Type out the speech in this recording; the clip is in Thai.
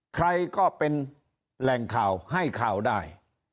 ใครก็เป็นแหล่งข่าวให้ข่าวได้